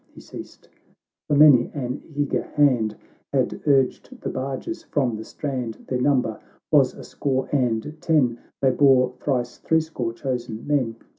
"— He ceased ; for many an eager hand Had urged the barges from the strand Their number was a score and ten ; They bore thrice three score chosen men.